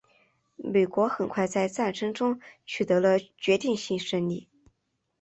美国很快在战争中取得了决定性胜利。